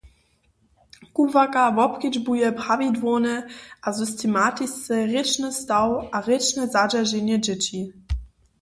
Kubłarka wobkedźbuje prawidłownje a systematisce rěčny staw a rěčne zadźerženje dźěći.